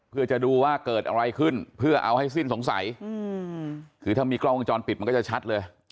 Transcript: เพื่อจะดูว่าเกิดอะไรขึ้นเพื่อเอาให้สิ้นสงสัยคือถ้ามีกล้องวงจรปิดมันก็จะชัดเลย